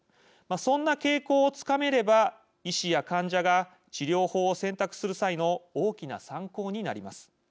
そんな傾向をつかめれば医師や患者が治療法を選択する際の大きな参考になります。